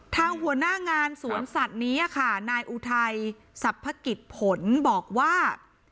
หัวหน้างานสวนสัตว์นี้ค่ะนายอุทัยสรรพกิจผลบอกว่า